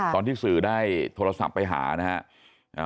ตอนที่สื่อได้โทรศัพท์ไปหานะครับ